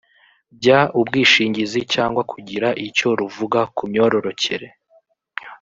by ubwishingizi cyangwa kugira icyo ruvuga ku myororkere